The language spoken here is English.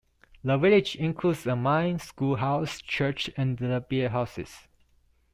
The village includes a mine, schoolhouse, church and the bear houses.